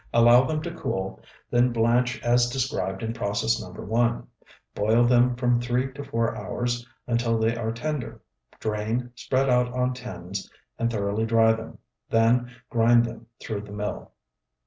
Allow them to cool, then blanch as described in process No. 1. Boil them from three to four hours, until they are tender. Drain, spread out on tins, and thoroughly dry them; then grind them through the mill.